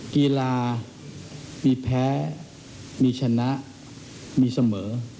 กีฬามีแพ้มีชนะมีเสมอ